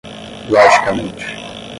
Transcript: logicamente